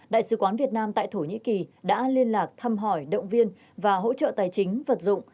đại sứ quán việt nam tại thổ nhĩ kỳ đã liên lạc thăm hỏi động viên và hỗ trợ tài chính vật dụng